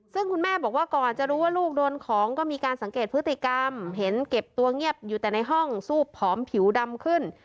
ซึ่งคุณแม่บอกว่าก่อนจะรู้ว่าลูกโดนของก็มีการสังเกตพฤติกรรมเห็นเก็บตัวเงียบอยู่แต่ในห้องซูบผอมผิวดำขึ้น